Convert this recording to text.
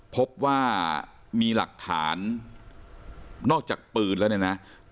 พบว่ามีหลักฐานนอกจากปืนแล้วเนี่ยนะ